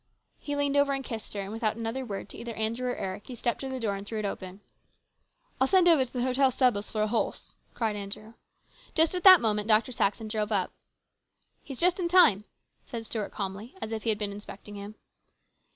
He leaned over and kissed her, and without another word to either Andrew or Eric he stepped to the door and threw it open. " I'll send over to the hotel stables for a horse !" cried Andrew. Just at that moment Dr. Saxon drove up. " He is just in time," said Stuart calmly, as if he had been expecting him.